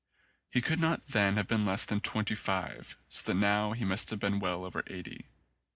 He could not then have been less than twenty five so that now he must have been well over eighty.